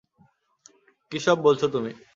কী সব বলছো তুমি?